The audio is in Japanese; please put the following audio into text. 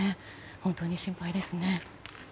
本当に心配ですね。